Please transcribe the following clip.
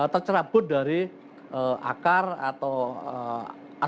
tercerabut dari akar atau akar